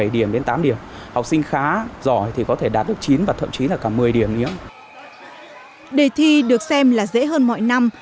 đề thi được xem là dễ hơn mọi năm